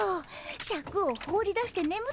シャクを放り出してねむってさ。